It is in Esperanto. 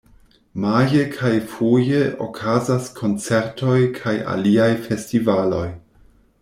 Maje kaj foje okazas koncertoj kaj aliaj festivaloj.